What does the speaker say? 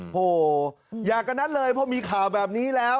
โหอยากกันนั้นเลยเพราะมีข่าวแบบนี้แล้ว